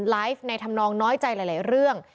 ไลฟ์ในทำนองน้อยใจหลายเรื่อง